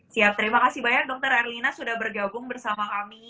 siap terima kasih banyak dokter erlina sudah bergabung bersama kami